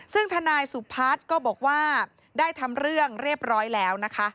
ซึ่งทนายสุพัฒน์ก็บอกว่าได้ทำเรื่องเรียบร้อยแล้วนะคะ